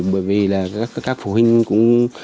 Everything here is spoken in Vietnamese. bởi vì là các phụ huynh cũng